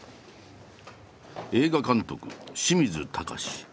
映画監督清水崇。